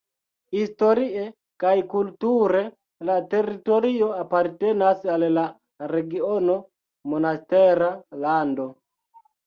Historie kaj kulture la teritorio apartenas al la regiono Monastera Lando.